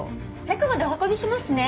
中までお運びしますね。